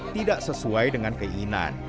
tidak sesuai dengan keinginan